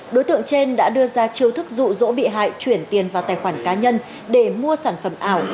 đối tượng trên đã đưa ra chiêu thức rụ rỗ bị hại chuyển tiền vào tài khoản cá nhân để mua sản phẩm ảo